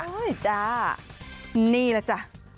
ใช่จ้ะนี่แหละจ้ะ